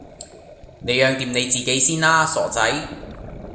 你養掂你自己先啦，傻仔